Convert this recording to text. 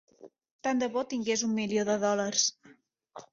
Tant de bo tingués un milió de dòlars.